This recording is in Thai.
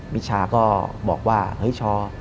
วิชาก็บอกว่าเฮ้ยชอ